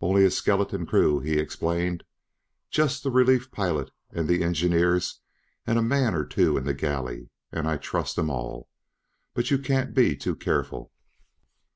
"Only a skeleton crew," he explained. "Just the relief pilot and the engineers and a man or two in the galley, and I trust 'em all. But you can't be too careful.